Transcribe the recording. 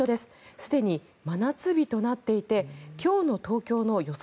すでに真夏日となっていて今日の東京の予想